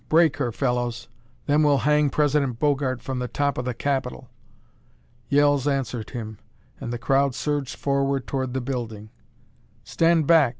Break her, fellows! Then we'll hang President Bogart from the top of the Capitol!" Yells answered him, and the crowd surged forward toward the building. "Stand back!"